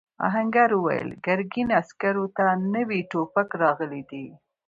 آهنګر وویل ګرګین عسکرو ته نوي ټوپک راغلی دی.